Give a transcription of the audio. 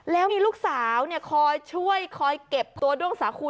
แล้วมีลูกสาวคอยช่วยคอยเก็บตัวด้วงสาคู